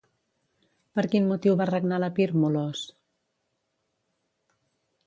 Per quin motiu va regnar l'Epir, Molós?